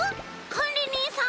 かんりにんさん？